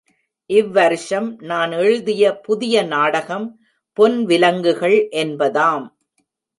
இவ்வருஷம் நான் எழுதிய புதிய நாடகம் பொன் விலங்குகள் என்பதாம்.